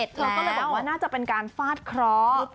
เธอก็เลยบอกว่าน่าจะเป็นการฟาดเคราะห์